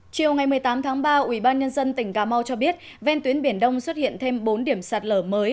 chiều ngày một mươi tám tháng ba ubnd tỉnh cà mau cho biết ven tuyến biển đông xuất hiện thêm bốn điểm sạt lở mới